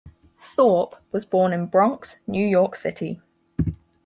Thorp was born in Bronx, New York City.